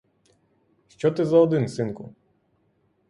Що ти за один, синку?